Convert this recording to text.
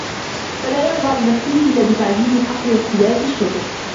فَلَا يَرْضَى لِنَفْسِهِ إلَّا بِتَعْجِيلِ الْحَقِّ وَإِسْلَافِ الشُّكْرِ